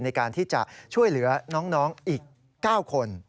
ในการที่จะช่วยเหลือน้องอีก๙คน